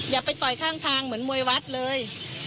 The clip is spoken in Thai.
อย่าไปต่อยข้างทางเหมือนมวยวัดเลย